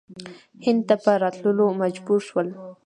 هند ته په راتللو مجبور شول.